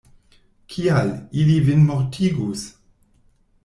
Kial, ili vin mortigus?